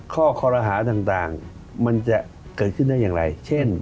ข้อคอรหาต่างมันจะเกิดขึ้นได้อย่างไรเช่น